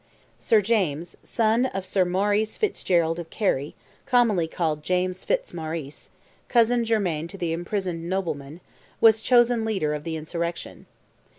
Sir James, son of Sir Maurice Fitzgerald of Kerry, commonly called James Fitz Maurice, cousin germain to the imprisoned noblemen, was chosen leader of the insurrection.